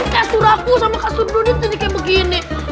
kasur aku sama kasur dodo jadi kayak begini